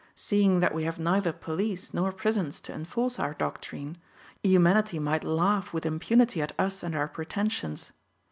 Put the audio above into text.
Seeing that we have neither police nor prisons to enforce our doctrine, humanity might laugh with impunity at us and our pretensions.